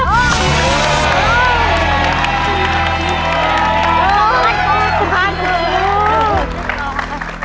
หนูข้างถึง